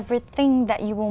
vậy anh có mục tiêu